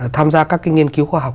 tham gia các cái nghiên cứu khoa học